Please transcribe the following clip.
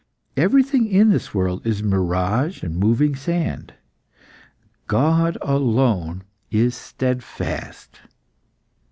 Everything in this world is mirage and moving sand. God alone is steadfast."